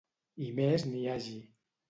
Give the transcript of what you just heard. I més n'hi hagi.